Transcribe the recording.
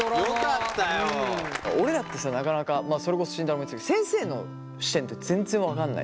俺らってさなかなかそれこそ慎太郎も言ってたけど先生の視点っていうのは全然分かんない。